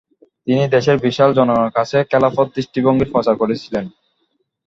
তিনি দেশের বিশাল জনগণের কাছে খেলাফত দৃষ্টিভঙ্গির প্রচার করেছিলেন।